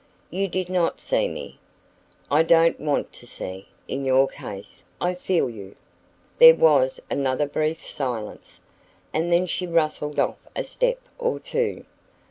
"You did not see me." "I don't want to see, in your case. I feel you." There was another brief silence, and then she rustled off a step or two.